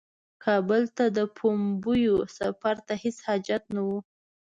کابل ته د پومپیو سفر ته هیڅ حاجت نه وو.